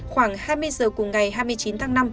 khoảng hai mươi giờ cùng ngày hai mươi chín tháng năm